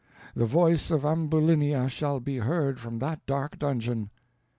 The voice of Ambulinia shall be heard from that dark dungeon."